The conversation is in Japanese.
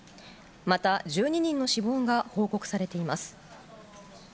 また１２人の死亡が報告されています。